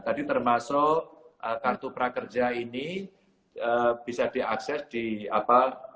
tadi termasuk kartu prakerja ini bisa diakses di apa